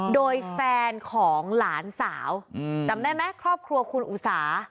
โดยแฟนของหลานสาวจำได้ไหมครอบครัวคุณอุสา